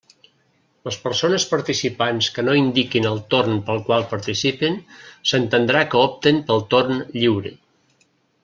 Les persones participants que no indiquin el torn pel qual participen, s'entendrà que opten pel torn lliure.